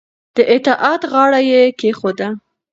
د اطاعت غاړه یې کېښوده